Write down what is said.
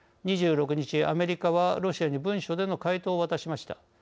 ２６日アメリカはロシアに文書での回答を渡しました。